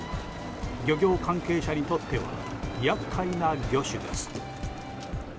漁業関係者にとっては厄介な魚種です。